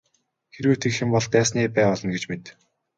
Хэрвээ тэгэх юм бол дайсны бай болно гэж мэд.